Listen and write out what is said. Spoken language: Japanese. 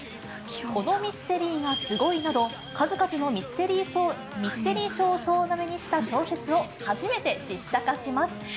このミステリーがすごいなど、数々のミステリー賞を総なめにした小説を、初めて実写化します。